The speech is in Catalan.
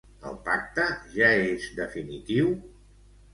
El pacte ja és definitiu?